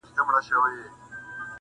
ستا د خالپوڅو د شوخیو وطن!